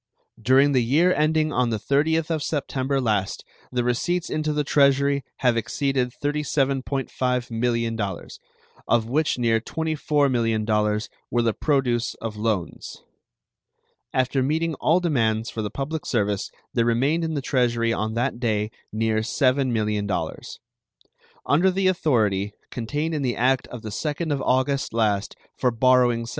During the year ending on the 30th of September last the receipts into the Treasury have exceeded $37.5 millions, of which near $24 millions were the produce of loans. After meeting all demands for the public service there remained in the Treasury on that day near $7 millions. Under the authority contained in the act of the 2nd of August last for borrowing $7.